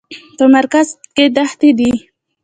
په مرکز کې دښتې دي.